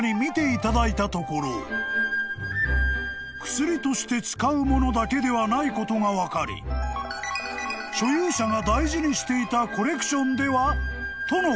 ［薬として使うものだけではないことが分かり所有者が大事にしていたコレクションでは？とのこと］